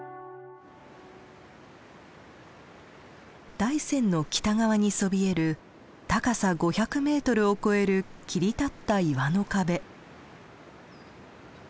大山の北側にそびえる高さ５００ｍを超える切り立った岩の壁。